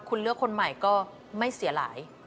คุณเลือกคนใหม่ก็ไม่เสียหลาย